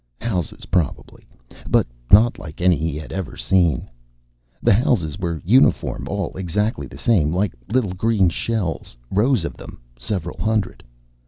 Houses, probably. But not like any he had ever seen. The houses were uniform, all exactly the same. Like little green shells, rows of them, several hundred.